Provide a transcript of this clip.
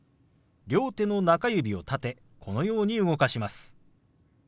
両手の中指を立てこのように動かします。